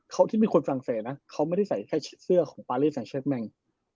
เขาที่เป็นคนฝรั่งเศสนะเขาไม่ได้ใส่แค่เสื้อของปารีสใส่เชฟแมง